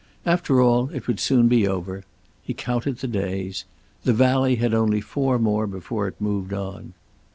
After all, it would soon be over. He counted the days. "The Valley" had only four more before it moved on.